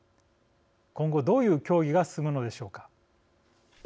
今後、どういう協議が進むのでしょうか。